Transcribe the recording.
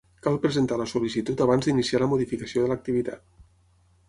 Cal presentar la sol·licitud abans d'iniciar la modificació de l'activitat.